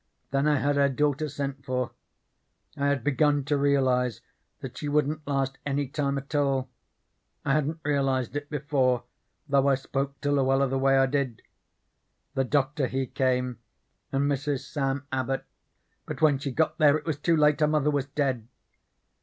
Then I had her daughter sent for. I had begun to realize that she wouldn't last any time at all. I hadn't realized it before, though I spoke to Luella the way I did. The doctor he came, and Mrs. Sam Abbot, but when she got there it was too late; her mother was dead.